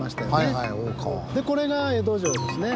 でこれが江戸城ですね。